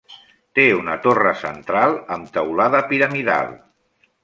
Té una torre central amb teulada piramidal.